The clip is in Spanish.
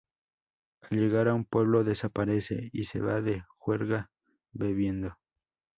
Al llegar a un pueblo, desaparece y se va de juerga bebiendo.